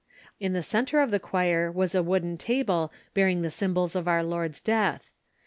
In the centre of the choir was the wooden table bearing the symbols of our Lord's death.